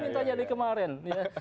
coba mintanya di kemarin